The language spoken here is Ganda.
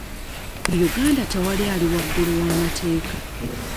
Mu Uganda tewali ali waggulu w'amateeka.